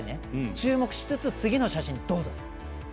注目しつつ、次の写真どうぞ。